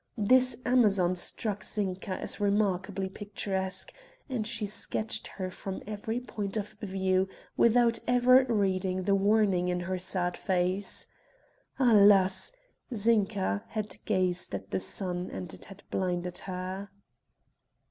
This Amazon struck Zinka as remarkably picturesque and she sketched her from every point of view without ever reading the warning in her sad face. Alas! Zinka had gazed at the sun and it had blinded her.